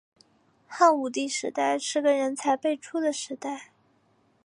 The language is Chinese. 汉武帝时代是个人才辈出的时代。